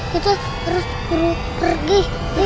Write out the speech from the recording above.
kita harus pergi